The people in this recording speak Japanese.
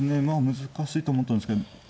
まあ難しいと思ったんですけど。